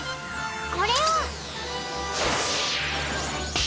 これを！